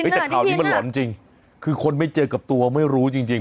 แต่ข่าวนี้มันหลอนจริงคือคนไม่เจอกับตัวไม่รู้จริง